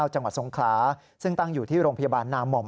จังหวัดสงขลาซึ่งตั้งอยู่ที่โรงพยาบาลนาม่อม